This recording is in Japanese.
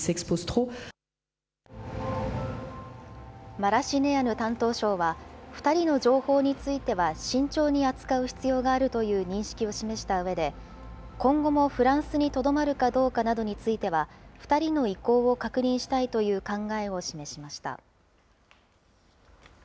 マラシネアヌ担当相は、２人の情報については慎重に扱う必要があるという認識を示したうえで、今後もフランスにとどまるかどうかなどについては、２人の意向を確認したいという考えを示しました。